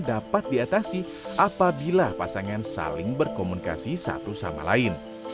dapat diatasi apabila pasangan saling berkomunikasi satu sama lain